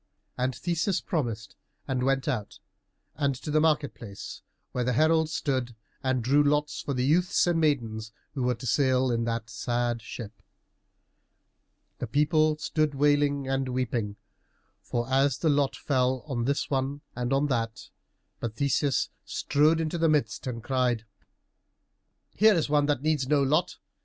And Theseus promised, and went out, and to the market place, where the herald stood and drew lots for the youths and maidens who were to sail in that sad ship. The people stood wailing and weeping as the lot fell on this one and on that, but Theseus strode into the midst and cried, "Here is one who needs no lot.